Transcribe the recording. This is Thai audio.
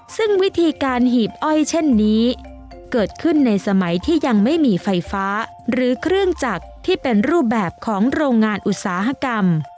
ซึ่งวิธีการหีบอ้อยเช่นนี้เกิดขึ้นในสมัยที่ยังไม่มีไฟฟ้าหรือเครื่องจักรที่เป็นรูปแบบของโรงงานอุตสาหกรรม